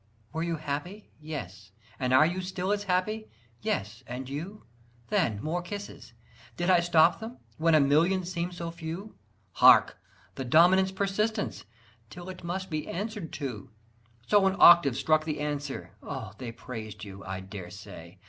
"Were you happy?" "Yes." "And are you still as happy?" "Yes. And you?" "Then, more kisses!" "Did I stop them, when a million seemed so few?" Hark! the dominant's persistence, till it must be answered to! So an octave struck the answer. Oh, they praised you, I dare say!